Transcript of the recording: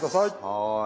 はい。